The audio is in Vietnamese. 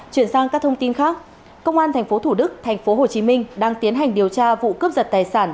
chuyển sang các thông tin khác công an tp thủ đức tp hồ chí minh đang tiến hành điều tra vụ cướp giật tài sản